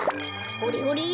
ほれほれ。